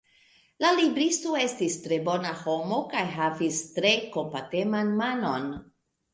La libristo estis tre bona homo kaj havis tre kompateman manon.